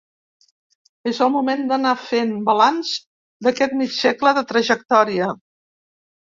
És el moment d'anar fent balanç d'aquest mig segle de trajectòria.